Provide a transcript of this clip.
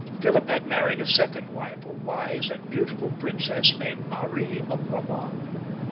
Philip had married a second wife, a wise and beau tiful princess, named Marie of Brabant.